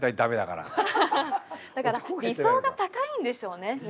だから理想が高いんでしょうねみんな。